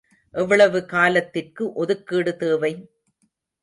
எவ்வளவு காலத்திற்கு ஒதுக்கீடு தேவை?